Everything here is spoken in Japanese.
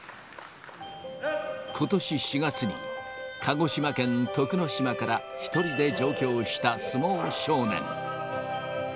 ことし４月に鹿児島県徳之島から１人で上京した相撲少年。